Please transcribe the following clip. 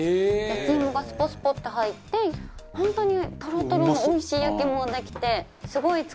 焼き芋がスポスポって入って本当にとろとろのおいしい焼き芋ができて。